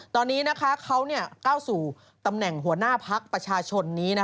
ตอนนี้เขาก้าวสู่ตำแหน่งหัวหน้าพักประชาชนนี้